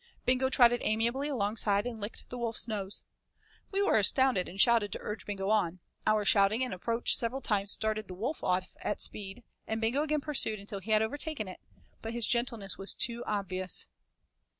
Bingo trotted amiably alongside and licked the wolf's nose. We were astounded, and shouted to urge Bingo on. Our shouting and approach several times started the wolf off at speed and Bingo again pursued until he had overtaken it, but his gentleness was too obvious.